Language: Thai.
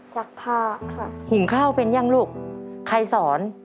ซักผ้าค่ะหุงข้าวเป็นยังลูกใครสอน